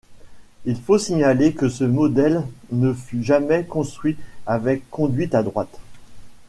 Il faut signaler que ce modèle ne fut jamais construit avec conduite à droite.